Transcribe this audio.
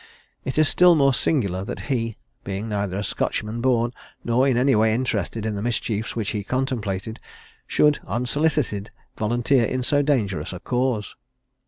It is still more singular that he, neither being a Scotchman born, nor in any way interested in the mischiefs which he contemplated, should, unsolicited, volunteer in so dangerous a cause.